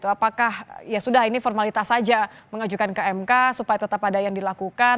apakah ya sudah ini formalitas saja mengajukan ke mk supaya tetap ada yang dilakukan